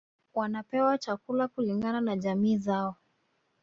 Wanapewa chakula kulingana na jamii zao